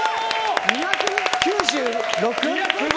２９６ｇ！